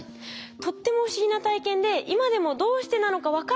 とっても不思議な体験で今でもどうしてなのか分からない。